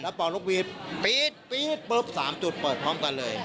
แล้วป่อนลูกวีสปี๊ดปุ๊บ๓จุดเปิดพร้อมกันเลย